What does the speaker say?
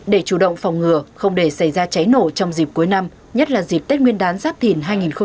để chủ động phòng ngừa không để xảy ra cháy nổ trong dịp cuối năm nhất là dịp tết nguyên đán giáp thìn hai nghìn hai mươi bốn